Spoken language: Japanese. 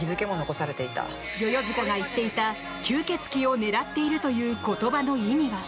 世々塚が言っていた吸血鬼を狙っているという言葉の意味は？